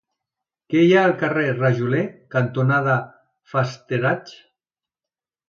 Què hi ha al carrer Rajoler cantonada Fastenrath?